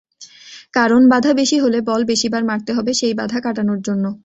কারণ বাধা বেশি হলে বল বেশিবার মারতে হবে সেই বাধা কাটানোর জন্য।